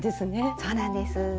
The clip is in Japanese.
そうなんです。